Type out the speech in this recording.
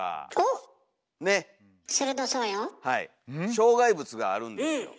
障害物があるんですよ。